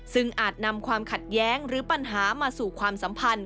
ซึ่งอาจนำความขัดแย้งหรือปัญหามาสู่ความสัมพันธ์